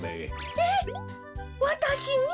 えっわたしに？